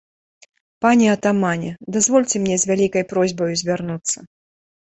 Пане атамане, дазвольце мне з вялікай просьбаю звярнуцца!